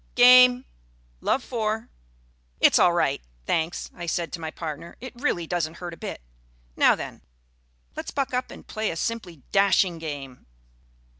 (Game. Love, four.) "It's all right, thanks," I said to my partner; "it really doesn't hurt a bit. Now then, let's buck up and play a simply dashing game."